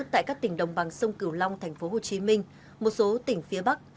tại các tỉnh đồng bằng sông cửu long tp hcm một số tỉnh phía bắc